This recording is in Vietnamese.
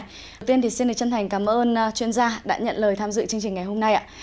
trước tiên thì xin chân thành cảm ơn chuyên gia đã nhận lời tham dự chương trình ngày hôm nay